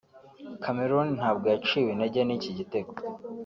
Cameroon ntabwo yaciwe intege n’iki gitego